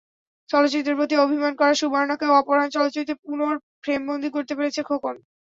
চলচ্চিত্রের প্রতি অভিমান করা সুবর্ণাকেও অপহরণ চলচ্চিত্রে পুনঃ ফ্রেমবন্দী করতে পেরেছে খোকন।